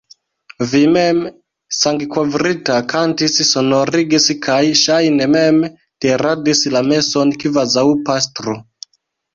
Vi mem, sangkovrita, kantis, sonorigis kaj, ŝajne, mem diradis la meson, kvazaŭ pastro.